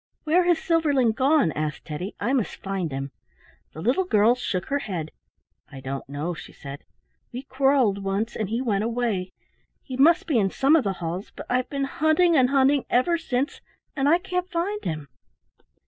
"Where has Silverling gone?" asked Teddy. "I must find him." The little girl shook her head. "I don't know," she said. "We quarrelled once and he went away. He must be in some of the halls, but I've been hunting and hunting ever since and I can't find him."